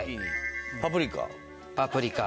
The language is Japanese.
パプリカ。